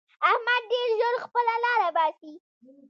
احمد ډېر ژر خپله لاره باسي.